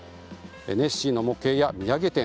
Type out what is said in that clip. ネッシーの模型や土産店